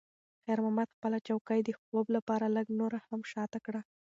خیر محمد خپله چوکۍ د خوب لپاره لږ نوره هم شاته کړه.